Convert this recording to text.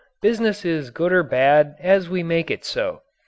Business is good or bad as we make it so.